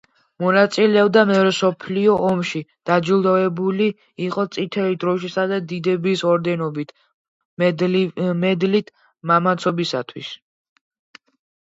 მონაწილეობდა მეორე მსოფლიო ომში, დაჯილდოვებული იყო წითელი დროშისა და დიდების ორდენებით, მედლით „მამაცობისათვის“.